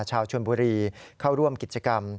ชาวชนบุรีเข้าร่วมกิจกรรม